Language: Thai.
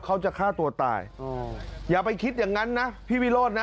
เขาจะฆ่าตัวตายอย่าไปคิดอย่างนั้นนะพี่วิโรธนะ